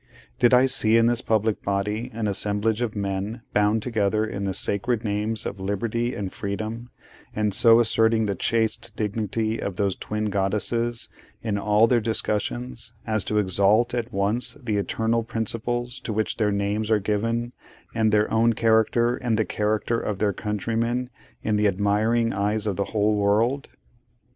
Did I see in this public body an assemblage of men, bound together in the sacred names of Liberty and Freedom, and so asserting the chaste dignity of those twin goddesses, in all their discussions, as to exalt at once the Eternal Principles to which their names are given, and their own character and the character of their countrymen, in the admiring eyes of the whole world?